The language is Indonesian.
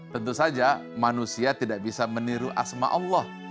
tentu saja manusia tidak bisa meniru asma'ullah